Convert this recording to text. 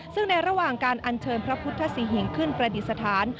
ซึ่งในระหว่างการอัญเชิญพระพุทธศรีหิงขึ้นประดิษฐาน